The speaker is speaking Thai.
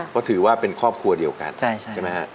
เพราะถือว่าเป็นครอบครัวเดียวกันใช่ไหมฮะ